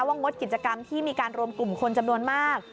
งดกิจกรรมที่มีการรวมกลุ่มคนจำนวนมาก